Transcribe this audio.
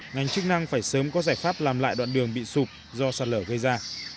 ngành chức năng phải sớm có giải pháp làm lại đoạn đường bị sụp do sạt lở gây ra